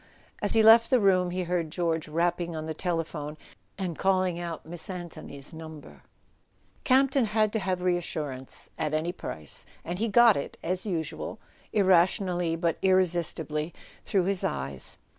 As he left the room he heard George rapping on the telephone and calling out Miss Anthony's number. Campton had to have reassurance at any price; and he got it, as usual, irrationally but irresistibly, through his eyes.